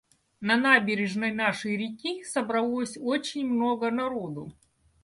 На набережной нашей реки собралось очень много народу.